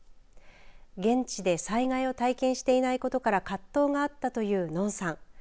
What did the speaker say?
現地で災害を体験していないことから葛藤があったというのんさん。